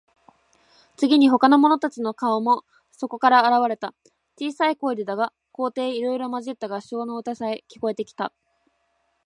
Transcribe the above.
次に、ほかの者たちの顔もそこから現われた。小さい声でだが、高低いろいろまじった合唱の歌さえ、聞こえてきた。